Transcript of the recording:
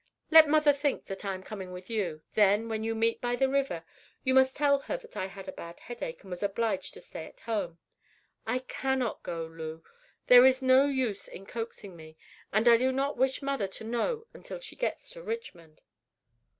Let mother think that I am coming with you. Then, when you meet by the river, you must just tell her that I had a bad headache, and was obliged to stay at home. I cannot go, Lew; there is no use in coaxing me; and I do not wish mother to know until she gets to Richmond."